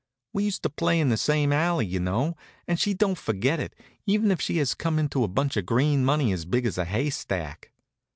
We used to play in the same alley, you know; and she don't forget it, even if she has come into a bunch of green money as big as a haystack.